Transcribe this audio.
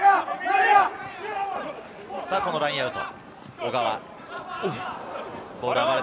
このラインアウト。